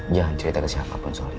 jangan cerita ke siapapun soal ini